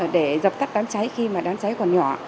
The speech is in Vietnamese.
để dập tắt đám cháy khi mà đám cháy còn nhỏ